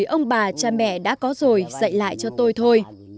ông bà cha mẹ đã có rồi dạy lại cho tôi thôi